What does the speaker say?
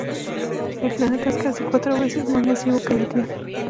El planeta es casi cuatro veces más masivo que la Tierra.